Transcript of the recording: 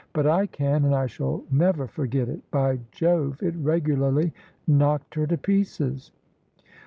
But I can: and I shall never forget it. By Jove, it regularly knocked her to pieces!